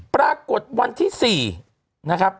ปรากฏวันที่๔นะครับ